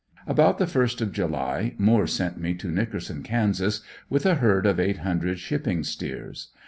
About the first of July, Moore sent me to Nickerson, Kansas, with a herd of eight hundred shipping steers.